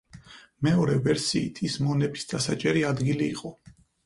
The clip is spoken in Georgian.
მეორე ვერსიით, ის მონების დასაჭერი ადგილი იყო.